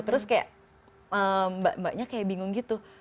terus kayak mbak mbaknya kayak bingung gitu